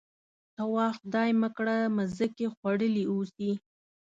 ته وا خدای مه کړه مځکې خوړلي اوسي.